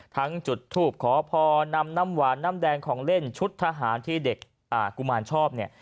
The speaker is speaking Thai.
จุดทูบขอพรนำน้ำหวานน้ำแดงของเล่นชุดทหารที่เด็กกุมารชอบเนี่ย